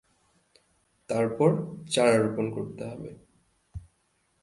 তারপর চারা রোপণ করতে হবে।